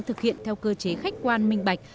thực hiện theo cơ chế khách quan minh bạch